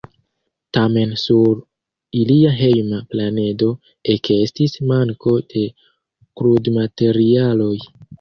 Tamen sur ilia hejma planedo ekestis manko de krudmaterialoj.